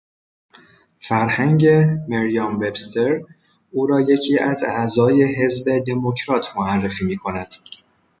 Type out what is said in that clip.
فرهنگ مریام-وبستر او را یکی از اعضای حزب دموکرات معرفی میکند.